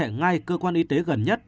liên hệ ngay cơ quan y tế gần nhất